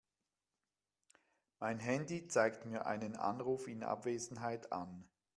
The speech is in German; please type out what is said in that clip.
Mein Handy zeigt mir einen Anruf in Abwesenheit an.